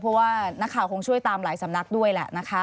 เพราะว่านักข่าวคงช่วยตามหลายสำนักด้วยแหละนะคะ